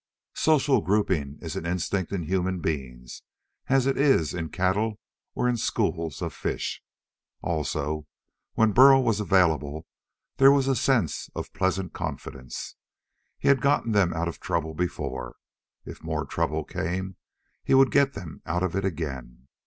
Social grouping is an instinct in human beings as it is in cattle or in schools of fish. Also, when Burl was available there was a sense of pleasant confidence. He had gotten them out of trouble before. If more trouble came, he would get them out of it again.